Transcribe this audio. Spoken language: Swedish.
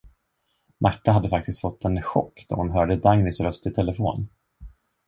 Märta hade faktiskt fått en chock då hon hörde Dagnys röst i telefon.